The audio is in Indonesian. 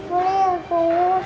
boleh ya su